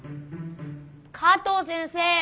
加藤先生！